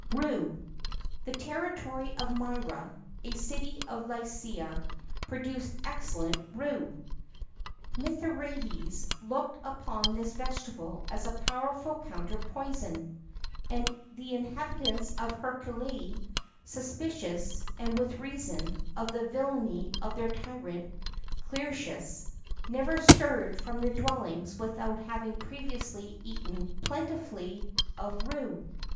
RUE. The territory of Myra, a city of Lycia, produced excellent rue.[X 36] Mithridates looked upon this vegetable as a powerful counter poison;[X 37] and the inhabitants of Heraclea, suspicious and with reason of the villany of their tyrant, Clearchus, never stirred from their dwellings without having previously eaten plentifully of rue.